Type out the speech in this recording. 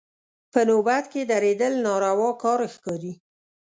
په نوبت کې درېدل ناروا کار ښکاري.